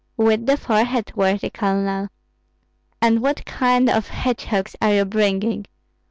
"With the forehead, worthy Colonel." "And what kind of hedgehogs are you bringing?"